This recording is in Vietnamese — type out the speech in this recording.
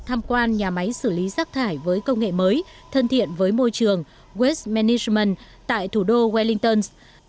tham quan nhà máy xử lý rác thải với công nghệ mới thân thiện với môi trường waste management tại thủ đô wellington